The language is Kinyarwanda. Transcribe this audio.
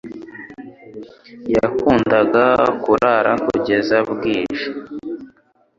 Yakundaga kurara kugeza bwije